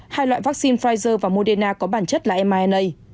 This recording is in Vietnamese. hai loại vaccine pfizer và moderna có bản chất là myna